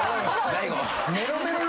大悟。